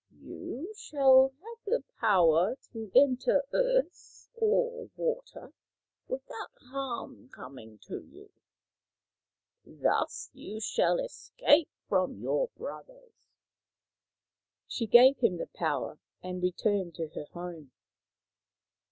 " You shall have the power to enter earth or water without harm coming to you. Thus you shall escape from your brothers." n4 Maoriland Fairy Tales She gave him the power, and returned to her home.